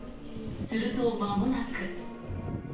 すると、まもなく。